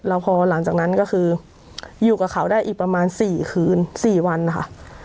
แล้วพอหลังจากนั้นก็คืออยู่กับเขาได้อีกประมาณ๔คืน๔วันนะคะ